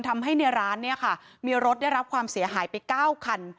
ทำให้ในร้านเนี่ยค่ะมีรถได้รับความเสียหายไป๙คัน